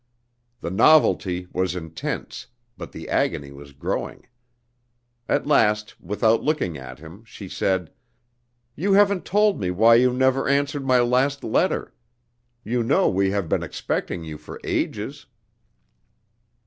The novelty was intense, but the agony was growing. At last, without looking at him, she said: "You haven't told me why you never answered my last letter. You know we have been expecting you for ages."